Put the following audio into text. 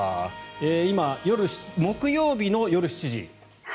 今は木曜日の夜７時？